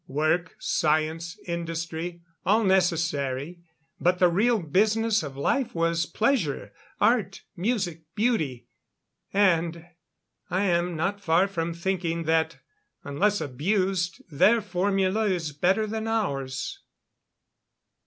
Work, science, industry all necessary. But the real business of life was pleasure. Art, music, beauty.... And I am not far from thinking that unless abused, their formula is better than ours.